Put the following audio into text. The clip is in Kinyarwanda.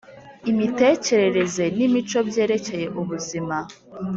imitekerereze n imico byerekeye ubuzima